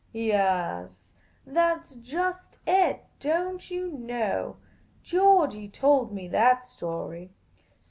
" Yaas ; that 's just it, don't you know. . Georgey told me that story.